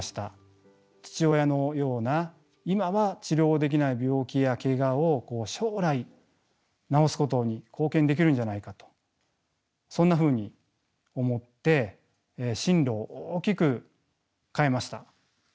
父親のような今は治療できない病気やけがを将来治すことに貢献できるんじゃないかとそんなふうに思って進路を大きく変えました。